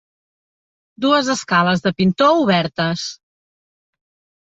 Dues escales de pintor obertes.